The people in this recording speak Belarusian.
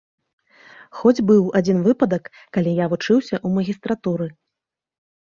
Хоць быў адзін выпадак, калі я вучыўся ў магістратуры.